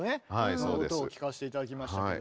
その音を聴かせて頂きましたけど。